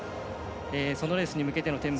そのレースに向けての展望